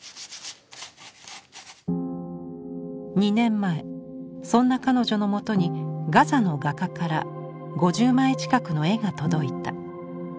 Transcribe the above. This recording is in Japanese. ２年前そんな彼女の元にガザの画家から５０枚近くの絵が届いた。